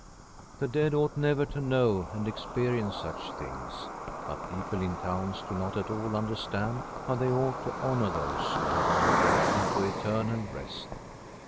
The dead ought never to know and experience such things; but people in towns do not at all understand how they ought to honour those who have entered into eternal rest.